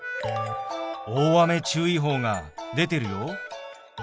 大雨注意報が出てるよ。